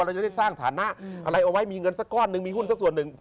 เราจะได้สร้างฐานะอะไรเอาไว้มีเงินสักก้อนหนึ่งมีหุ้นสักส่วนหนึ่ง